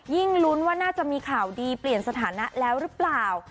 ลุ้นว่าน่าจะมีข่าวดีเปลี่ยนสถานะแล้วหรือเปล่า